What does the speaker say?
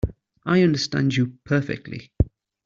I understand you perfectly.